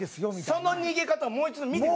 その逃げ方をもう一度見て。